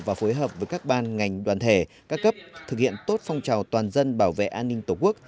và phối hợp với các ban ngành đoàn thể các cấp thực hiện tốt phong trào toàn dân bảo vệ an ninh tổ quốc